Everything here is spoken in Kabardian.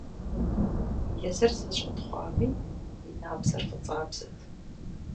Езыр зэщӀэтхъуами, и набдзэр фӀыцӀабзэт.